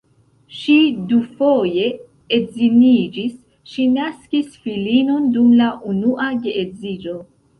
Ŝi dufoje edziniĝis, ŝi naskis filinon dum la unua geedziĝo.